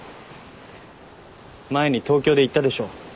前に東京で言ったでしょ。